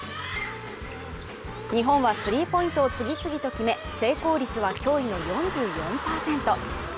日本はスリーポイントを次々と決め成功率は驚異の４４％